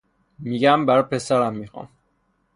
میگم: برا پسرم میخوام